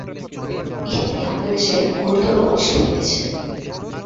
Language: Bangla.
ইহাতেই আমাদের দেশে ঘোরতর অনিষ্ট হইতেছে।